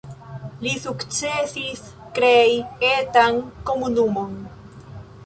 Li sukcesis krei etan komunumon.